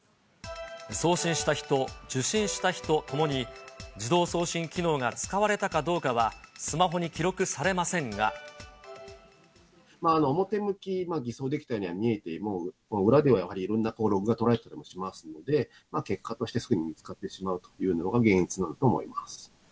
送信した人、受信した日とともに自動送信機能が使われたかどうかはスマホに記表向き、偽装できたようには見えても、裏ではやはりいろんなログが捉えられたりしますので、結果としてすぐに見つかってしまうというのが現実だと思います。